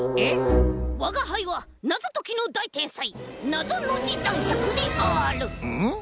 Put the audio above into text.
わがはいはなぞときのだいてんさいなぞノジだんしゃくである！